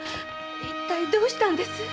一体どうしたんです？